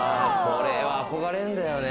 これは憧れんだよね。